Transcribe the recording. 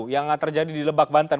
yang terjadi di lebak banten